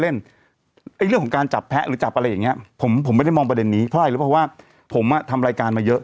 ไอ้เรื่องของการจับแพ้หรือจับอะไรอย่างเงี้ยผมผมไม่ได้มองประเด็นนี้เพราะอะไรรู้เพราะว่าผมอ่ะทำรายการมาเยอะ